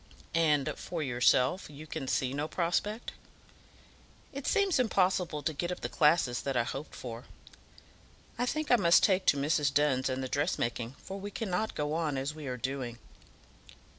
"And for yourself, you can see no prospect?" "It seems impossible to get up the classes that I hoped for. I think I must take to Mrs. Dunn's and the dressmaking, for we cannot go on as we are doing."